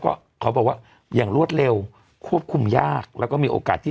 ก็เขาบอกว่าอย่างรวดเร็วควบคุมยากแล้วก็มีโอกาสที่